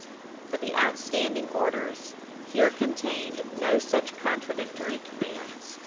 But the outstanding orders here contained no such contradictory commands.